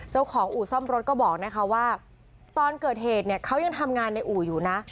เจ้าของอู่ซ่อมรถก็บอกนะคะว่าตอนเกิดเหตุเนี่ยเขายังทำงานในอู่อยู่นะ